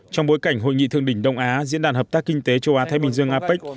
trong bối cảnh hội nghị thượng đỉnh đông á diễn đàn hợp tác kinh tế châu á thái bình dương apec